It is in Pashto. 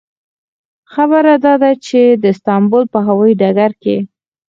ښه خبره داده چې د استانبول په هوایي ډګر کې.